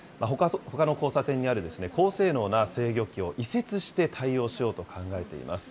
ほかの交差点にある高性能な制御機を移設して対応しようと考えています。